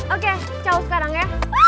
oke cowok sekarang ya